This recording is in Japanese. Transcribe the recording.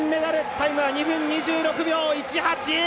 タイムは２分２６秒１８。